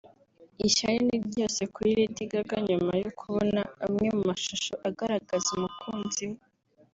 Ishyari ni ryose kuri Lady Gaga nyuma yo kubona amwe mu mashusho agaragaza umukunzi we